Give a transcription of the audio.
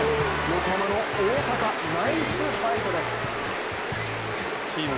横浜の大坂、ナイスファイトです。